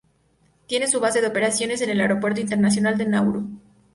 Tiene su base de operaciones en el Aeropuerto Internacional de Nauru.